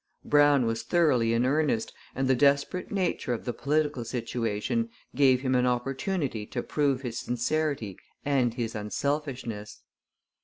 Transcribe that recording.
Brown was thoroughly in earnest, and the desperate nature of the political situation gave him an opportunity to prove his sincerity and his unselfishness.